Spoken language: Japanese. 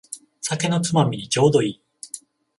酒のつまみにちょうどいい